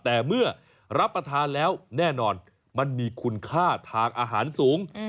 แต่เมื่อรับประทานแล้วแน่นอนมันมีคุณค่าทางอาหารสูง